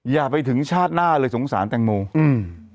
อย่าไปถึงชาติหน้าเลยสงสารแตงโมอืม